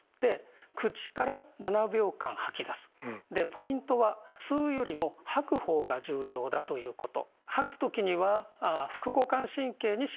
ポイントは吸うよりも吐く方が重要だということ。